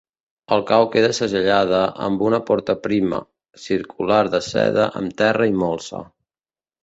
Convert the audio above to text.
El cau queda segellada amb una porta prima, circular de seda amb terra i molsa.